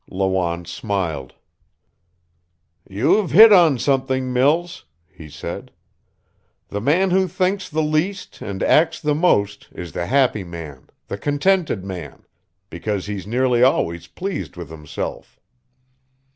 Lawanne smiled. "You've hit on something, Mills," he said. "The man who thinks the least and acts the most is the happy man, the contented man, because he's nearly always pleased with himself.